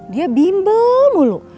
dia bimbel mulu